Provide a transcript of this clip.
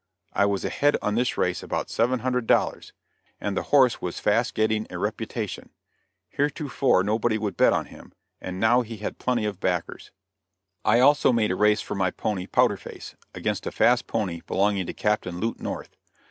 I was ahead on this race about seven hundred dollars, and the horse was fast getting a reputation. Heretofore nobody would bet on him, but now he had plenty of backers. I also made a race for my pony Powder Face, against a fast pony belonging to Captain Lute North.